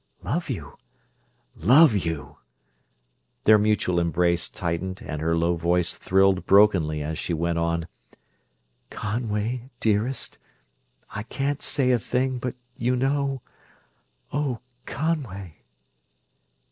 "Love you? Love you!" Their mutual embrace tightened and her low voice thrilled brokenly as she went on: "Conway, dearest.... I can't say a thing, but you know.... Oh, Conway!"